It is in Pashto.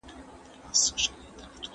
عادي لوښي خطر نه لري.